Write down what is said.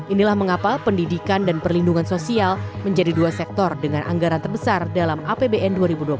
inilah mengapa pendidikan dan perlindungan sosial menjadi dua sektor dengan anggaran terbesar dalam apbn dua ribu dua puluh